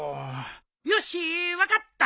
よし分かった！